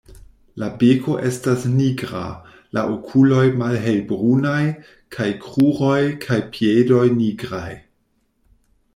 La beko estas nigra, la okuloj malhelbrunaj kaj kruroj kaj piedoj nigraj.